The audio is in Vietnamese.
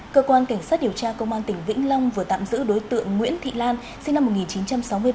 cơ quan cảnh sát điều tra công an tỉnh vĩnh long vừa tạm giữ đối tượng nguyễn thị lan sinh năm một nghìn chín trăm sáu mươi ba